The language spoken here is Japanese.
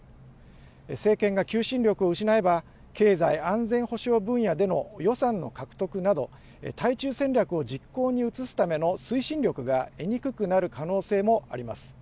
政権が求心力を失えば、経済安全保障分野での予算の獲得など、対中戦略を実行に移すための推進力が得にくくなる可能性もあります。